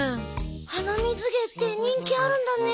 鼻水芸って人気あるんだね。